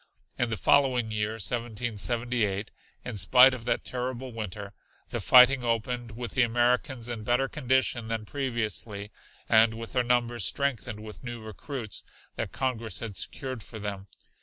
In the following year, 1778, in spite of that terrible winter, the fighting opened with the Americans in better condition than previously and with their numbers strengthened with new recruits that Congress had secured for them.